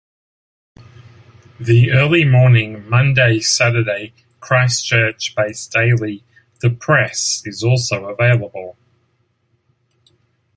The early morning Monday-Saturday Christchurch based daily The Press is also available.